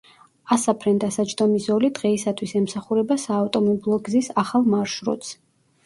ასაფრენ-დასაჯდომი ზოლი დღეისათვის ემსახურება საავტომობილო გზის ახალ მარშრუტს.